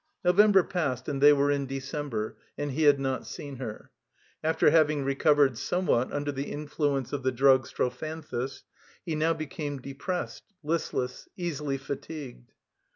November passed and they were in December, and he had not seen her. After ha mg recovered somewhat under the influence of a r nig stro phanthus, he now became depressed 'isfJe^s, easily fatigued.